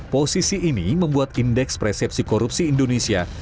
posisi ini membuat indeks persepsi korupsi indonesia